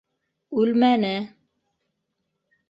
Үлмәне.